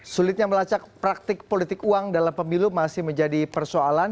sulitnya melacak praktik politik uang dalam pemilu masih menjadi persoalan